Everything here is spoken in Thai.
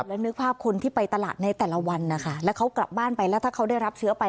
แล้วนึกภาพคนที่ไปตลาดในแต่ละวันนะคะแล้วเขากลับบ้านไปแล้วถ้าเขาได้รับเชื้อไป